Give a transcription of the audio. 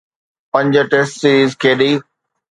پنج test series کيڏي.